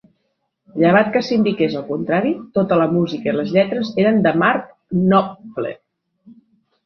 Llevat que s'indiqués el contrari, tota la música i les lletres eren de Mark Knopfler.